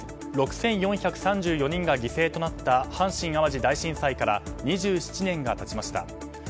６４３４人が犠牲となった阪神・淡路大震災から２７年が経ちました。